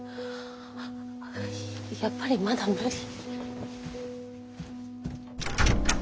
やっぱりまだ無理。